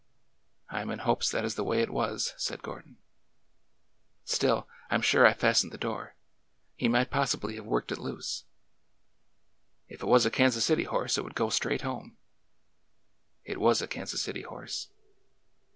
I am in hopes that is the way it was," said Gordon. Still, I 'm sure I fastened the door. He might possibly have worked it loose." '' If it was a Kansas City horse it would go straight home." It was a Kansas City horse.